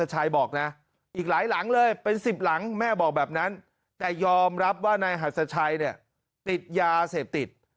หลังแม่บอกแบบนั้นแต่ยอมรับว่าในหัดสะชัยเนี่ยติดยาเสพติด